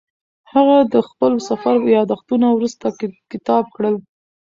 هغه د خپل سفر یادښتونه وروسته کتاب کړل.